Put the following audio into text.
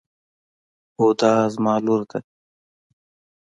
هُدا زما لور ده.